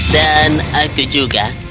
dan aku juga